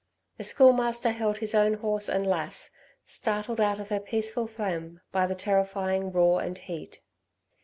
The Schoolmaster held his own horse and Lass, startled out of her peaceful phlegm by the terrifying roar and heat.